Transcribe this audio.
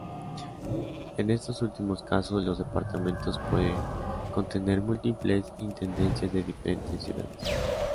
En estos últimos casos, los departamentos pueden contener múltiples intendencias de diferentes ciudades.